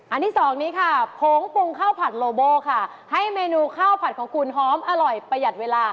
ที่สองนี้ค่ะผงปรุงข้าวผัดโลโบ้ค่ะให้เมนูข้าวผัดของคุณหอมอร่อยประหยัดเวลา